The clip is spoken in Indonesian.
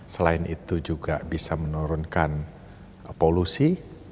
selain itu juga bisa menurunkan polusi